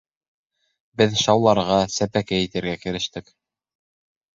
Беҙ шауларға, сәпәкәй итергә керештек.